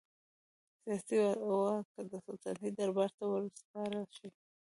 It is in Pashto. سیاسي واک سلطنتي دربار ته وسپارل شي.